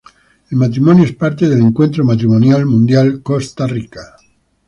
El matrimonio es parte de Encuentro Matrimonial Mundial Costa Rica.